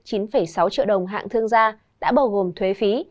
chín sáu triệu đồng hạng thương gia đã bao gồm thuế phí